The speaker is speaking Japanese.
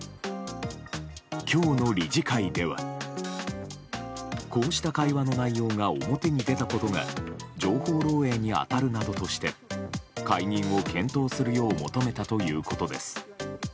今日の理事会ではこうした会話の内容が表に出たことが情報漏洩に当たるなどとして解任を検討するよう求めたということです。